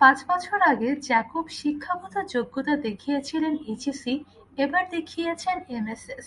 পাঁচ বছর আগে জ্যাকব শিক্ষাগত যোগ্যতা দেখিয়েছিলেন এইচএসসি, এবার দেখিয়েছেন এমএসএস।